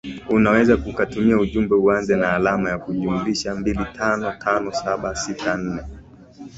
unaweza ukatutumia ujumbe uanze na alama ya kujumulisha mbili tano tano saba sita nne